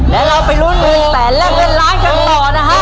แล้วเราไปรุ่น๑แสนและเป็นล้านกันต่อนะคะ